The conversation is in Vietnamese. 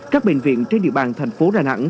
các bệnh viện trên địa bàn thành phố đà nẵng